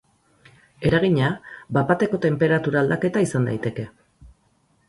Eragina bat bateko tenperatura aldaketa izan daiteke.